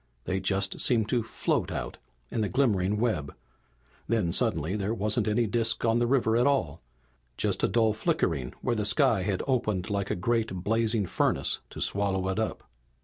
They just seemed to float out, in the glimmering web. Then, suddenly, there wasn't any disk on the river at all just a dull flickering where the sky had opened like a great, blazing furnace to swallow it up.